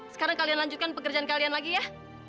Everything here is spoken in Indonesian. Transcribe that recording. sekarang kalian lanjutkan pekerjaan kalian lagi ya